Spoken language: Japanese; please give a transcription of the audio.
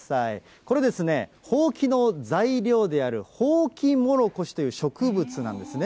これですね、ほうきの材料であるホウキモロコシという植物なんですね。